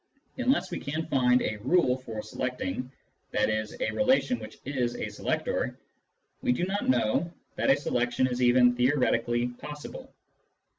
Unless we can find a rule for selecting, i.e. a relation which is a selector, we do not know that a selection is even theoretically possible.